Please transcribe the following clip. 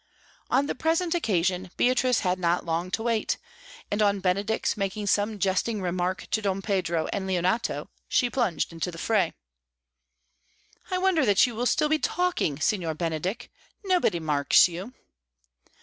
On the present occasion Beatrice had not long to wait, and on Benedick's making some jesting remark to Don Pedro and Leonato, she plunged into the fray. "I wonder that you will still be talking, Signor Benedick; nobody marks you."